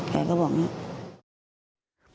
แกก็บอกอย่างนี้